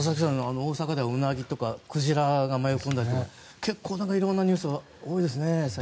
大阪ではウナギとかクジラが迷い込んだりとか結構、いろんなニュースが最近、多いですね。